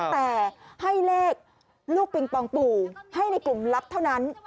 แต่ให้เลขลูกปิงปองปู่ให้ในกลุ่มลับเท่านั้น